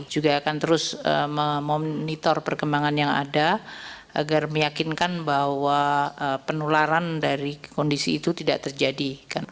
juga akan terus memonitor perkembangan yang ada agar meyakinkan bahwa penularan dari kondisi itu tidak terjadi